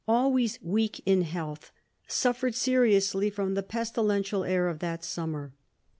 always weak in health, suffered seriously from the pestilential air of that summer.